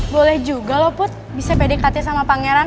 boleh juga loh put bisa pdkt sama pangeran